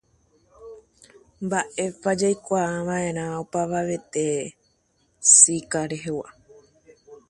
Lo que todos debemos saber acerca del virus del Zika.